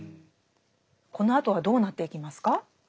このあとはどうなっていきますか？